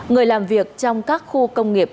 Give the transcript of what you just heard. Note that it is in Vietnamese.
người làm việc trong các khu công nghiệp